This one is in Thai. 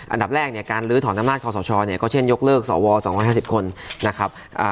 อันดับแรกเนี่ยการลื้อถอนอำนาจคอสชเนี่ยก็เช่นยกเลิกสว๒๕๐คนนะครับ